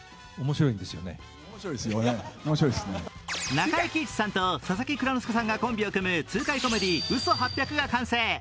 中井貴一さんと佐々木蔵之介さんがコンビを組む痛快コメディー「嘘八百」が完成。